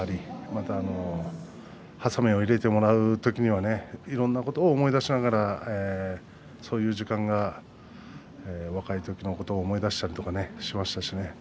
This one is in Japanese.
また、はさみを入れてもらう時にはいろんなことを思い出しながら若い時のことを思い出したりしましたしね。